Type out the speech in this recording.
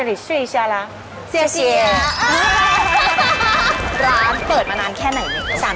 ร้านเปิดมานานแค่ไหน